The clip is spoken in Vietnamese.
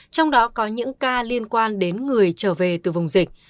trong đó có những ca liên quan đến người trở về từ vùng dịch